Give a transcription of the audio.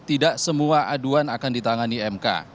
tidak semua aduan akan ditangani mk